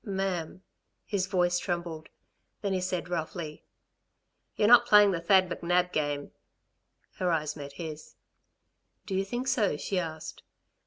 "Ma'am " his voice trembled. Then he said roughly: "You're not playing the Thad McNab game?" Her eyes met his. "Do you think so?" she asked.